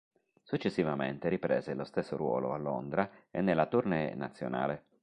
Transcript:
Successivamente riprese lo stesso ruolo a Londra e nella tournée nazionale.